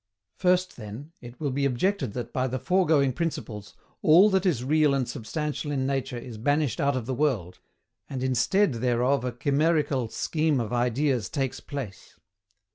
FIRST, then, it will be objected that by the foregoing principles ALL THAT IS REAL AND SUBSTANTIAL IN NATURE IS BANISHED OUT OF THE WORLD, and instead thereof a chimerical scheme of ideas takes place.